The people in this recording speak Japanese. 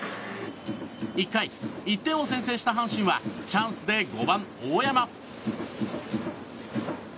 １回、１点を先制した阪神はチャンスで５番、大山。